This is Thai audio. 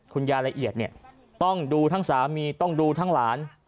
ละเอียดเนี่ยต้องดูทั้งสามีต้องดูทั้งหลาน